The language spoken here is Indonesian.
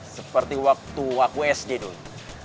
seperti waktu aku sd dulu